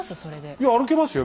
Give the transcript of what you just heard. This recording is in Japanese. いや歩けますよ？